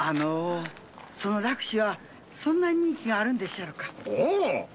その落首はそんなに人気があるんですか？